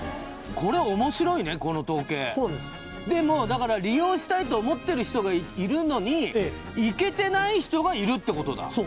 これ面白いねこの統計そうですでもだから利用したいと思ってる人がいるのに行けてない人がいるってことだ